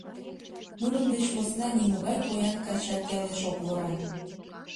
Нунын деч посна нимогай поян качат ялеш ок вораҥ.